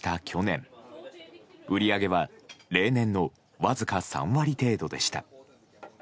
去年売り上げは例年のわずか３割程度でした。